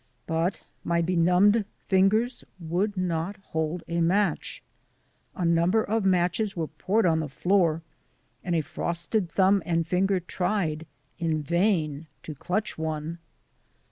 But my benumbed fingers would not hold a match. A number of matches were poured on the floor and a frosted thumb and finger tried in vain to clutch one.